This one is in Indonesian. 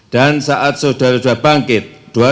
dan saat saudara saudara bangkit